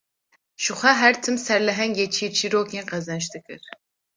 Jixwe her tim serlehengê çîrçîrokên qezenç dikir